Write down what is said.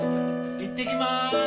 行ってきまーす！